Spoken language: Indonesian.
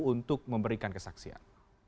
untuk memberikan kesaksian